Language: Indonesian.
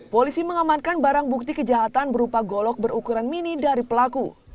polisi mengamankan barang bukti kejahatan berupa golok berukuran mini dari pelaku